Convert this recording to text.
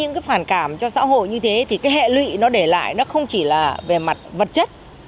hoàn cảm cho xã hội như thế thì cái hệ lụy nó để lại nó không chỉ là về mặt vật chất